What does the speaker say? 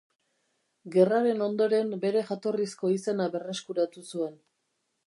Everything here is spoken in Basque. Gerraren ondoren bere jatorrizko izena berreskuratu zuen.